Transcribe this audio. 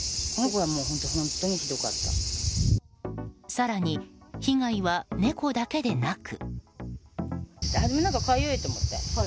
更に、被害は猫だけでなく。